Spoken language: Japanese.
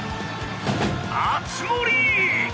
熱盛！